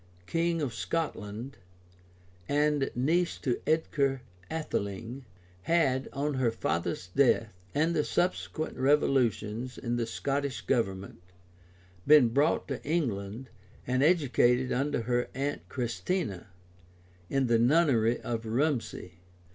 king of Scotland, and niece to Edgar Atheling, had, on her father's death, and the subsequent revolutions in the Scottish government, been brought to England, and educated under her aunt Christina, in the nunnery of Rumsey.